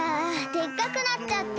でっかくなっちゃった！